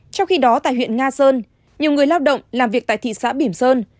trong khi đó tại huyện nga sơn nhiều người lao động làm việc tại thị xã bỉm sơn